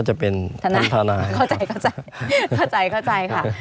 ไม่มีครับไม่มีครับ